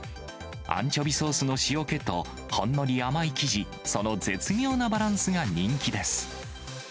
アンチョビソースの塩気と、ほんのり甘い生地、その絶妙なバランスが人気です。